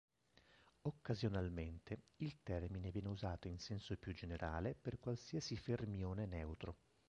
Occasionalmente il termine viene usato in senso più generale per qualsiasi fermione neutro.